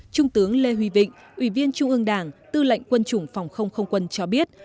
trung tướng lê huy vịnh ủy viên trung ương đảng tư lệnh quân chủng phòng không không quân cho biết